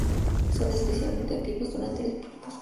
Son especialmente activas durante el crepúsculo.